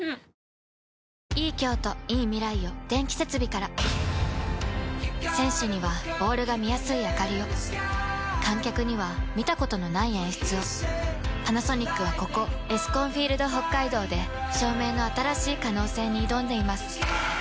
メロメロ選手にはボールが見やすいあかりを観客には見たことのない演出をパナソニックはここエスコンフィールドＨＯＫＫＡＩＤＯで照明の新しい可能性に挑んでいます